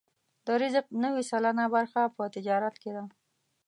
د رزق نوې سلنه برخه په تجارت کې ده.